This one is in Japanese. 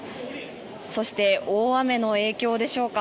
そして、大雨の影響でしょうか。